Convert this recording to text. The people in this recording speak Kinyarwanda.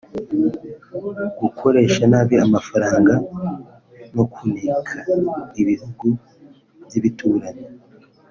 gukoresha nabi amafaranga no kuneka ibihugu by’ibituranyi